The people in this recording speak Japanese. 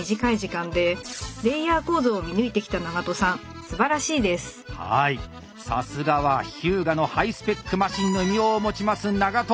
さすがは日向のハイスペックマシンの異名を持ちます長渡。